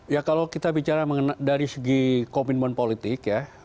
ya kalau kita bicara dari segi komitmen politik ya